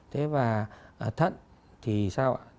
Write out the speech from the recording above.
thế và thận thì sao ạ